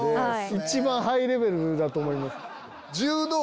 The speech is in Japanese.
一番ハイレベルだと思います。